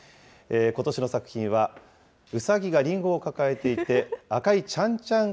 ことしの作品は、うさぎがりんごを抱えていて、赤いちゃんちゃん